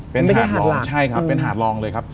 เป็นหาดรองใช่ครับเป็นหาดรองเลยครับ